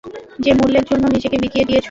যে মূল্যের জন্য নিজেকে বিকিয়ে দিয়েছ?